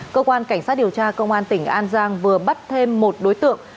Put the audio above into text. cơ quan cảnh sát điều tra công an tỉnh an giang vừa bắt thêm một đối tượng